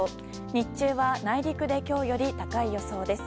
日中は、内陸で今日より高い予想です。